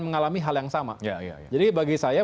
mengalami hal yang sama jadi bagi saya